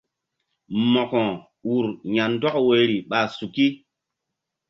Mo̧ko ur ya̧ndɔk woyri ɓa suki.